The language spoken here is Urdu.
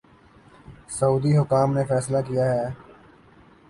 سعودی حکام نے فیصلہ کیا ہے